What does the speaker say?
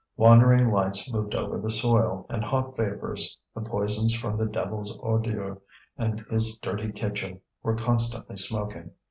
Wandering lights moved over the soil, and hot vapours, the poisons from the devil's ordure and his dirty kitchen, were constantly smoking.